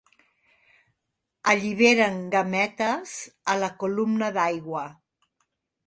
Alliberen gàmetes a la columna d'aigua.